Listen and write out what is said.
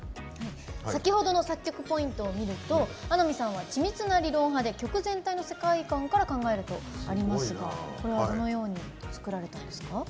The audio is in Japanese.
先ほどの作曲ポイントを見ると穴見さんは「緻密な理論派」で曲全体の世界観から考えるとありますがこれはどのように作られたんですか？